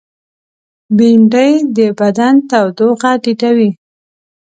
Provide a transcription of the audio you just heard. بېنډۍ د بدن تودوخه ټیټوي